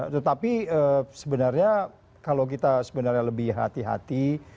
tetapi sebenarnya kalau kita sebenarnya lebih hati hati